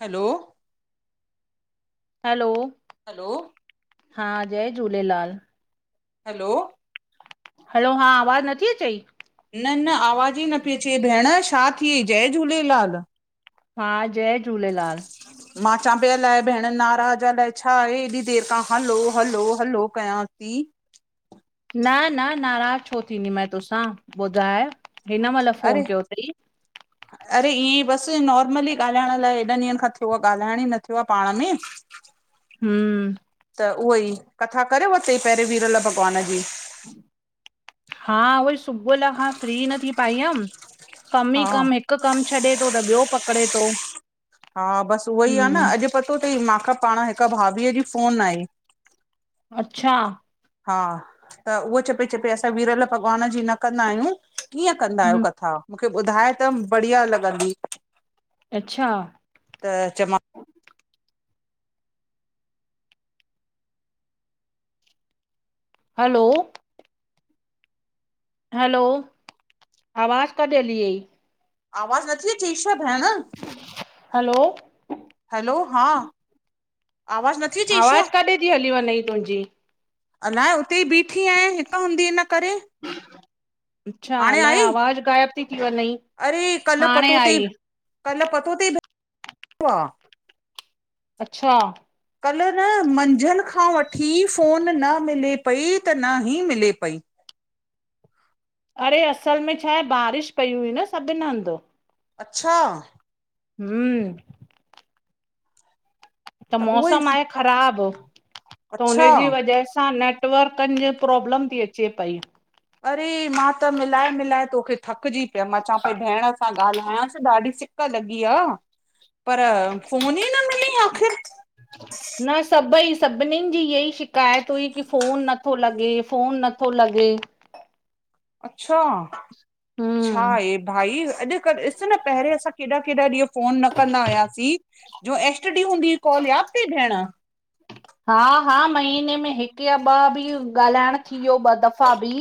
हलो, hello, hello, हां, जय Jhulelal. Hello. Hello हा आवाज़ नथी अचेई? न न, आवाज़ ई न पई अचे भेण छा थियइ जय झूलेलाल। हां, जय झूलेलाल। मां चां पयी अलाए भेण नाराज़ अलाए छा आहे हेॾी देर खां हलो हलो हलो कयांती। न न न नाराज़ छो थींदी माए तोसां, ॿुधाए हिन मल फ़ोन अरे कयो तई। अरे ईअं ई बस नॉर्मली ॻाल्हाइण लाइ हेॾन ॾींहंनि खां थोरो ॻाल्हाइण ई न थियो आहे पाण में। [unintelligible] हुम्म। त उहोई ई कथा करे वरितई पहिेरे विरल भॻवान जी? हा उअई सुबुह लका खां फ्री न थी पाई हुयम। कम ई हा कम हिकु कमु छॾे थो त ॿियो पकिड़े थो। हा बस उहो ई आ न हम अॼु पतो तई मांखा पाण हिक भाभीअ जी फोन आई। अच्छा। हा त उहो चेपई चेपई असां विरल भॻवान जी न कंदा आयूं। कीअं कंदा आयो हम कथा मूंखे ॿुधाए त बढ़िया लॻंदी। अच्छा। त चेमा हलो, हलो, आवाज़ काॾे हली वई? आवाज़ नथी अचेई छा भेण? हलो, हैलो हा आवाज न आवाज काॾे ती हली वञेई तुंहिंजी? अलाए उते ई बीठी आयां हिक हूंदी हिन करे। अच्छा, हाणे अलाए आई आवाज़ु ग़ाइब ती थी वञई। अरे कल्ह हाणे पतो ती आई कल्ह पतो थी हा। अच्छा। कल्ह न मंझंन खां वठी फ़ोन न मिले पई त न ई मिले पई। अड़े असल में छाहे बारिश पई हुई न सभिनि हंधि। अच्छा। हूं, त उहो ई मौसमु आहे ख़राबु त अच्छा हुनजी वजह सां न टवर्कनि जी प्रॉब्लम थी अचे पई। अरे मां त मिलाए मिलाए तोखे थकिजी पियम मां चवां पई भेण सां ॻाल्हायांस ॾाढी सिक लॻी आ, पर फोन ई न मिली आखिर न सभई सभिनीनि जी इअ ई शिकायत हुई की फोन नथो लॻे। फ़ोन नथो लॻे। अच्छा, हम्म छाहे भाई अॼुकल्ह ॾिस न पहिरें असां केॾा- केॾा ॾींहं फोन न कंदा हुयासीं। जो एस टी डी हूंदी हुई कॉल याद तई भेण? हा -हा, महीने में हिकु या ॿ बि ॻाल्हाइण थी वियो ॿ दफ़ा बि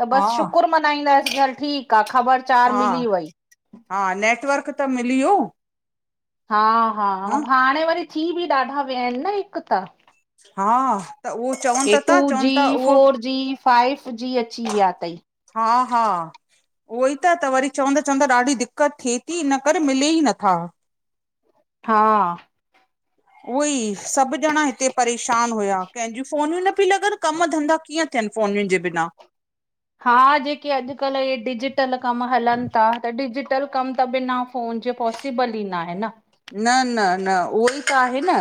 त हा बसि शुकुर मनाईंदासीं हल ठीकु आ ख़बर चार मिली हा- वई। हा, नेटवर्क त मिली वियो। हा -हा, अउं हाणे वरी थी बि ॾाढा विया आहिनि न हिकु त हा, त उहो चवनि हे त टू था चवनि जी, था उहो फोर जी, फाइव जी अची विया तई। हा- हा। उहोई त, त वरी चवंदा- चवंदा ॾाढी दिक्कत थे ती इन करे मिले ई नथा। हा। उहोई सभु ॼणा हिते परेशान हुया कंहिंजूं फ़ोनियूं न पियूं लॻनि। कम धंधा कीअं थियनि फ़ोनिनि जे बिना? हा, जेके अॼुकल्ह हे डिजटल कम हलनि ता त डिज टल कम त बिना फ़ोन जे पॉसिबल ई नाहे न। न -न -न, उहोई त आहे न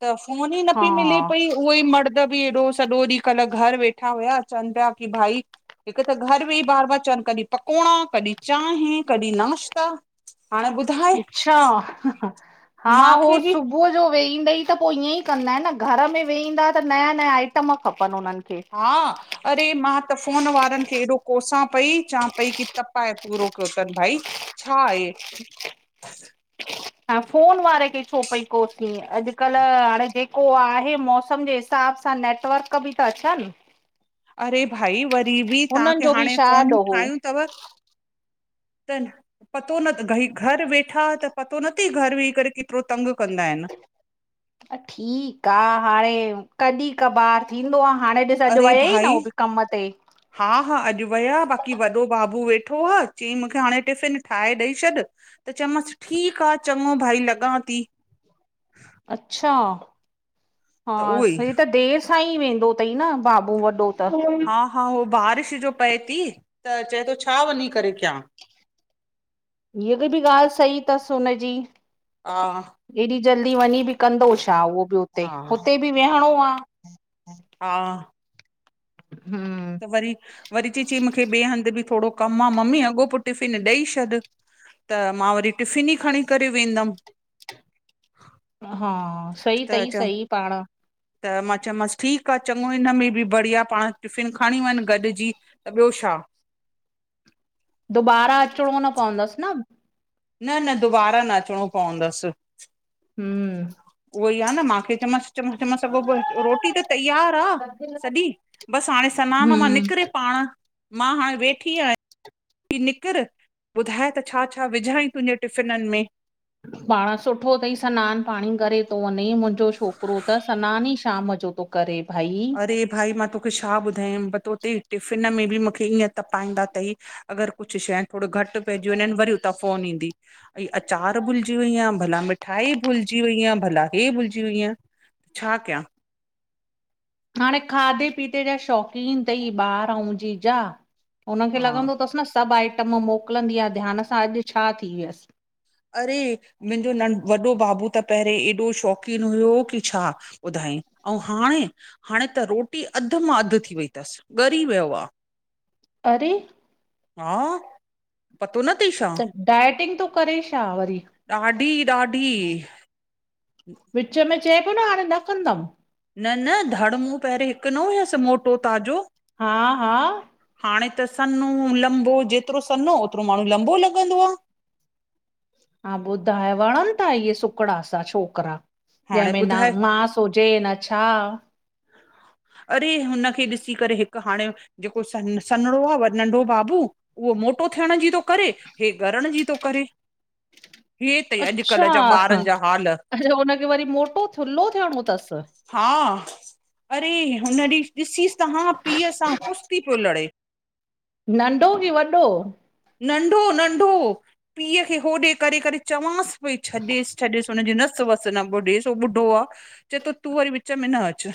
त फोन ई न हा पई मिले पई उहोई मर्द बि एॾो सॼो ॾींहुं कल्ह घर वेठा हुया, चवनि पिया की भाई हिकु त घर वेही बार -बार चवनि कॾीं पकोंड़ा, कॾीं चांहि, कॾीं नाश्ता हाणे ॿुधाय? अच्छा, हा मांखे उ सु बि सुबुह जो वेहींदई त पो ईअं ई कंदा आहिनि न, घर में वेहींदा त नया नया आइटम खपनि उन्हनि खे। हा, अरे मां त फ़ोन वारनि खे एॾो कोसां पई चवां पई की तपाए पूरो कयो तनि भाई छाहे, हाणे फोन वारे खे छो पई कोसीं अॼुकल्ह हाणे जेको आहे मौसम जे हिसाब सां नेटवर्क बि त अचनि। अरे भाई वरी बि हुननि तव्हांखे जो बि हाणे छा फ़ोनियूं ॾोहो ठाहियूं तव त पतो नत घई घर वेठा त पतो न तई घर वेही करे केतिरो तंग कंदा आहिनि। ठीकु आ हाणे कॾीं कॿार थींदो आ, हाणे ॾिस अॼु अरे वयई भाई न उ बि कम ते। हा -हा, अॼु विया बाक़ी वॾो बाबू वेठो आ, चयईं मूंखे हाणे टिफ़िन ठाहे ॾेई छॾ। त चयोमांसि ठीकु आ चङो भाई लॻां ती। अच्छा हा त उहो ई सई त देर सां ई वेंदो तई न बाबू वॾो त? हा -हा, हो बारिश जो पए ती त चए तो छा वञी करे कयां? हीअ भी बि ॻाल्हि सही तसि हुनजी। हा। एॾी जल्दी वञी भी कंदो छा उओ भी हुते, हा हुते भी वेहणो आ। हा। हम्म वरी -वरी, चई- चईं मूखे ॿे हंध भी थोडो कमु आ मम्मी, अॻो पो टिफ़िन ॾई छॾि त मा वरी टिफ़िन ई खणीं करे वेंदमि। अ हा सही त तई, चयम सही पांण। त मा चयोमांस ठीकु आ चञों हिन में भी बढ़िया पांण टिफ़िन खंणी वंञु गॾजी। त ॿियो छा दुबारा अचिणों न पवंदस न न -न दुबारा न अचिणो पवंदस। हम्म उहोई आ न माखे, चयोमास, चयोमांस अॻो पो रोटी त तैयार आ सॼी, बसि हाणें सनान मां हम्म निकिरे पांण मां हाणे वेठी आहिय कि निकीर ॿुधाए त छा- छा विझांय तुंहिंजे टिफ़िनन में। पांण सुठो तई सनान पांणी करे तो वंञें, मुंजो छोकिरो त सनान ई श शाम जो तो करे भई अरे भाई मा तोखे छा ॿुधायांय, पतो तई टिफ़िन मे भी मुखे ईअं तपाईंदा तई अगरि कुछु शंए थोड़ी घटि पइजी वंञेंन, वरी उता फ़ोन ईंदी। अई अचार भुलजी वईयं, भला मिठाई भुलजी वईयं, भला हे भुलिजी वईयं छा कियां हाणें खाधे पीते जा शौक़ीन तई ॿार अंउं जीजा उनखे हा लॻदो तसि न सभु आइटम मोकलंदी आ ध्यान सां, अॼु छा थीव्यस अरे! मुहिजो नं वॾो बाबू त पहरियों एॾो शौंक़ीन हुयो की छा ॿुधांयंई, अंउं हाणें, हाणें त रोटी अध मां अधु थी वई तसि ॻरी वयो आ। आवाज रिकार्ड [inaudible] अरे! हा, पतो न तई छा? त डायटिंग तो करे छा वरी? ॾाढी -ॾाढी विच मे चएपियो न हांणे न कदम। न- न धड़ मू पहरियो हिकु न हुयस मोटो ताज़ो हा- हा हाणें त सन्नो, लंबो जेतिरो सनो ओतिरो माण्हूं लंबो लॻंदो आ हा ॿुधाए वणन ता इह्ये सुकड़ा सा छोकिरा। हाणे जहिंमे न ॿुधाए मास हुजे न छा अरे हुनखे ॾिसी करे, हिकु हाणे जे को सनड़ो आ नंढो बाबू उहो मोटो थियण जी तो करे, हे ॻरण जी तो करे हे त अच्छा! अॼुकल्ह जा हा ॿारनि जा हाल अच्छा हुनखे वरी मोटो थुल्हो थियणो तसि हा! अरे हुन ॾींहुं ॾिसीस त हा, पीअ सा कुशती पियो लड़े नढो की वॾो? नंढो -नंढो पीय खे होॾे करे -करे चवांस पई छॾेस- छॾेस हुनजी नस वस न ॿुधेस हो ॿुढो आ चैएतो तू वरी विच मे न अचु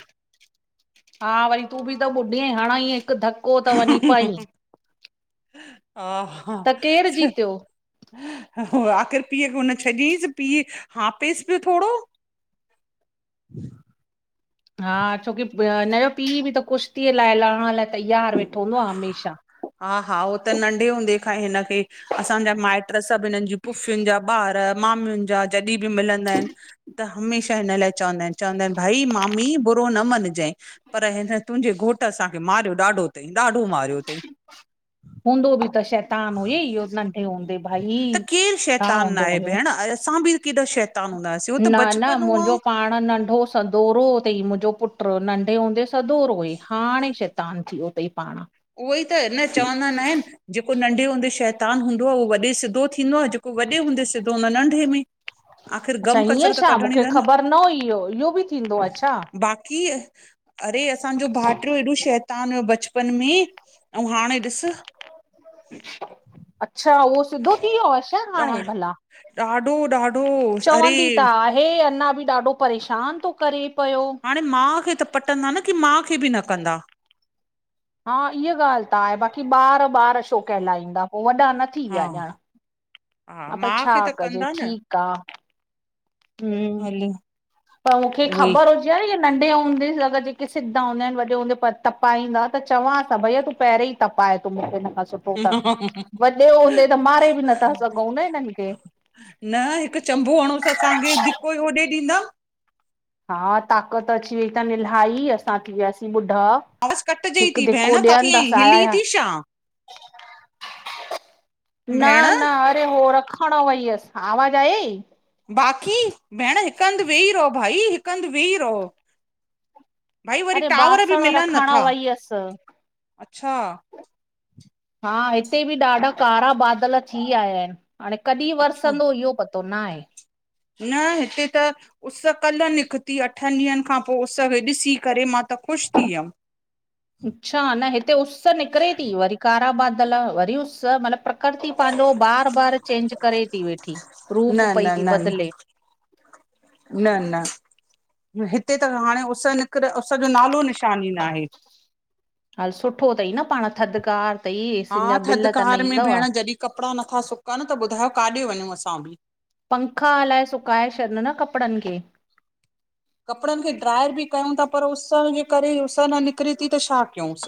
हा वरी तुभी त ॿुढी आईं, हणंई हिकु धक हा- हा त केरु जीतियो? हो, आख़िर पीअ उखे हुन छॾियंईस पीउ हापेस पियो थोड़ो। ह [inaudible] हा छोकी हिनजो पीउ भी त कुश्तीअ लाए, लएण लाए तैयार वेठो हूदो आ हमेशा। हा हा होत नढे हूंदे खांई हिन खे असांजा माइट सभ हिनन जी पुफियुन जा ॿार मामन जा जॾी बि मिलंदा आहिन त। हमेशह हिन लाए चवंदा आहिन। चवंदा आहिन भाई मामी बुरो न मञजइ। पर हिन तुंहिंजे घोट असांखे मारियो ॾाडो थई, ॾाडो मारियो थईं। हूंदो बि त शैतान हुई इहो नंढे हूंदे भाई। त केर छा शैतान हूंदो नाहे हुयो? भेण? असां बि केॾा शैतान हूंदासीं। न न मुंहिंजो पाण नंढो। सदोरो थई मुंहिंजो पुट नंढे हूंदे सदोरो हुई, हाणे शैतान थी वियो थई पाण। उहो ई त न चवंदा न आहिन, जेको नंढे हूंदे शैतान हूंदो आ, उहो वॾे सिधो थींदो आ जेको वॾे हूंदे सिधो हुंदो आ नंढे में आख़र अच्छा गम कसर ईअं त छा कढणी मूंखे थन ख़बर न हुई इहो इहो बि थींदो आ छा? बाक़ी अरे असांजो भाईटियो एॾो शैतान हुयो बचपन में ऐं हाणे ॾिसु। अच्छा उहो सिधो थी वियो आ न हाणे ॾा भला? ॾाढो ॾाढो। अरे चवंदी त आहे अञा बि ॾाढो परेशान थो करे पयो। हाणे माउ खे त पटंदा न, की माउ खे बि न कंदा। हा इहा ॻाल त आए बाक़ी ॿार ॿार छो कहलाईंदा पो वॾा न थी हा विया छा? हा अ पर माउ छा खे त कजे ठीक आ। हम्म हलु। पर मुंखे ख़बर हुज अरे नंढे हूंदेस अगर जेके सिधा हूंदा आहिन, वॾे हूंदे तपाईंदा त चवांस हा भईया तूं पहिरीं तपाए त मुंखे न सुठो त वॾे हूंदे त मारे बि नथा सघूं न हिनन खे। न हिक चंबो हणूस असांखे धिको हो ओॾे ॾींदा। हा ताक़त अची वई थन ईलाई असां थी वियासीं ॿुढा। आवाज़ कटिजई हिक थी धिको भेण काथे ॾियन त आहीं असां हिली ह थी छा न भेण न अरे हो रखण वई हुयस, आवाज आयई। बाक़ी भेण हिक हंद वेही रहो भाई हिक हंद वेही रओ भाई वरी अरे टावर बि बासण मिलन रखण नथा। वई हुअसि अच्छा हा हिते बि ॾाडा कारा बादल थी आया आहिन, हाणे कॾी अच्छा वरसंदो इहो पतो तो न आहे? न हिते त। उस कल निकती अठन ॾींहंन खां पो, उस खे ॾिसी करे मां त ख़ुश थी वियम। अच्छा, न हिते उस निकरे थी वरी कारा बादल, वरी उस मतलब [unintelligible] पंहिंजो बार बार चेंज करे थी वेठी, न रूप पई न थी न बदले। न न। हिते त हाणे उस निकर, उस जो नालो निशान ई न आहे। हल सुठो थई न पाण थधिकार। अथई एसिन हा जा बिल त न थधकार में ईंदव भेण जॾी कपड़ा नथा सुकन त ॿुधायो काॾे वञूं असां। पंखा हलाए सुकाए छॾियो न कपड़न खे। कपड़न खे ड्राय भी कयूं था, पर उस जे करे उस न निकरे थी त छा कयूंस?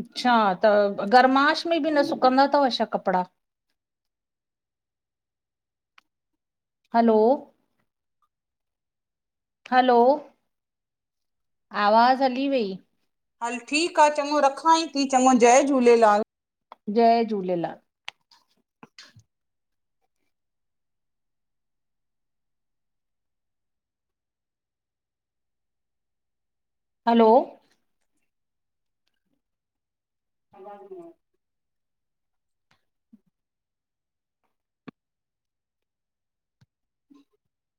अच्छा त गरमाश में बि न सुकंदा थव छा कपड़ा? हलो। हलो आवाज़ हली वई। हल ठीक आ, चङो रखांए थी चङो, जय झूलेलाल। जय झूलेलाल। हलो। [unintelligible] जी। [inaudible]